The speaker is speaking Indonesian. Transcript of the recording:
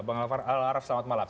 bang al araf selamat malam